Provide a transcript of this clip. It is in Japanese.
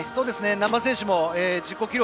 難波選手も自己記録